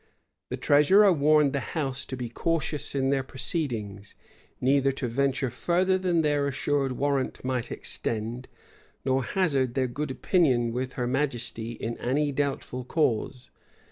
The treasurer warned the house to be cautious in their proceedings; neither to venture further than their assured warrant might extend, nor hazard their good opinion with her majesty in any doubtful cause.